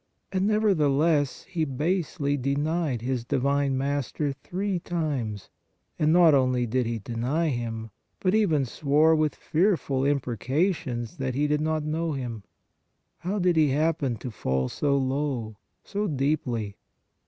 And nevertheless he basely denied his Divine Master three times, and not only did he deny Him, but even swore with fearful imprecations that he did not know Him. How did he happen to fall so low, so deeply?